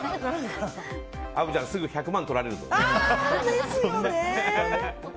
虻ちゃんすぐ１００万とられるぞ。ですよね！